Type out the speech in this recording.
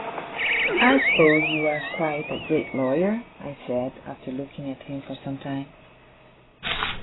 'I suppose you are quite a great lawyer?' I said, after looking at him for some time.